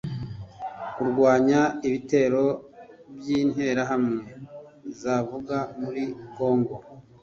Kurwanya ibitero by’ interahamwe zavaga muri congo